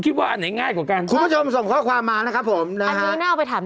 ที่๒๓ล้านเมตต์